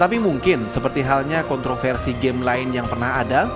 tapi mungkin seperti halnya kontroversi game lain yang pernah ada